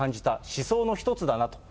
思想の一つだなと。